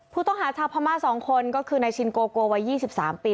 ผู้ต้องหาชาวพระม่าสองคนก็คือนายชินโกโกวัย๒๓ปี